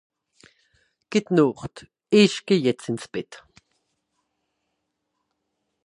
Gutnacht isch geh jetzt ins Bett